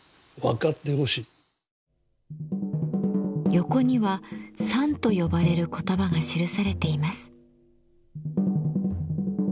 横には「賛」と呼ばれる言葉が記されています。